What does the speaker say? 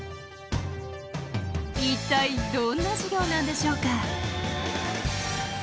一体どんな授業なんでしょうか。